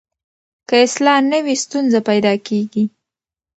که اصلاح نه وي ستونزه پیدا کېږي.